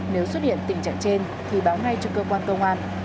nếu xuất hiện tình trạng trên thì báo ngay cho cơ quan công an